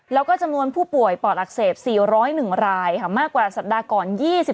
แล้วก็จำนวนผู้ป่วยปอดอักเสบ๔๐๑รายค่ะมากกว่าสัปดาห์ก่อน